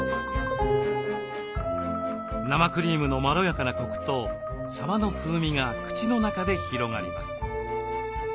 生クリームのまろやかなコクとさばの風味が口の中で広がります。